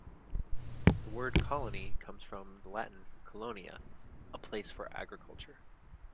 The word "colony" comes from the Latin "colonia"-"a place for agriculture".